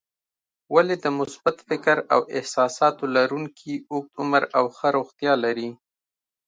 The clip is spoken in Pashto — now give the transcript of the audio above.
ولې د مثبت فکر او احساساتو لرونکي اوږد عمر او ښه روغتیا لري؟